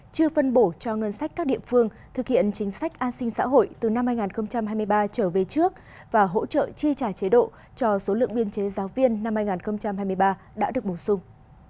chưa phân bổ cho ngân sách các địa phương thực hiện chính sách an sinh xã hội từ năm hai nghìn hai mươi ba trở về trước và hỗ trợ chi trả chế độ cho số lượng biên chế giáo viên năm hai nghìn hai mươi ba đã được bổ sung